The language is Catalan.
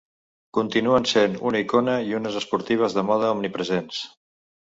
Continuen sent una icona i unes esportives de moda omnipresents.